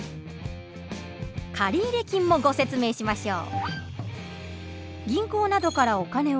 借入金もご説明しましょう。